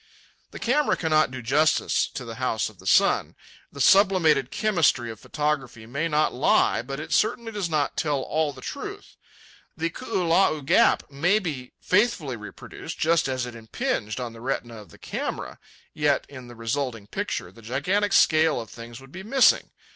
The camera cannot do justice to the House of the Sun. The sublimated chemistry of photography may not lie, but it certainly does not tell all the truth. The Koolau Gap may be faithfully reproduced, just as it impinged on the retina of the camera, yet in the resulting picture the gigantic scale of things would be missing.